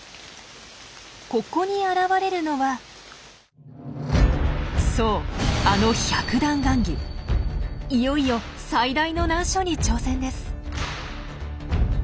ここに現れるのはそうあのいよいよ最大の難所に挑戦です。